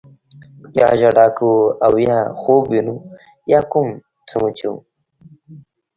یا ژړا کوو او یا خوب وینو یا کوم څه مچوو.